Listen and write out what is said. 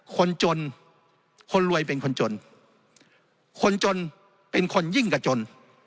คนจนคนรวยเป็นคนจนคนจนเป็นคนยิ่งกับจน